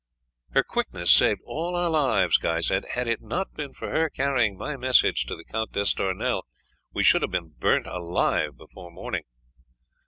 "Her quickness saved all our lives," Guy said. "Had it not been for her carrying my message to the Count d'Estournel we should have been burnt alive before morning."